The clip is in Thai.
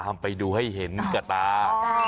ทำไปดูให้เห็นกระตา